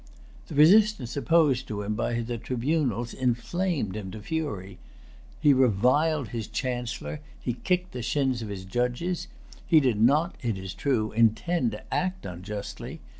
The resistance opposed to him by the tribunals inflamed him to fury. He reviled his Chancellor. He kicked the shins of his Judges. He did not, it is true, intend to act unjustly.